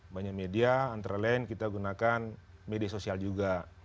banyak media antara lain kita gunakan media sosial juga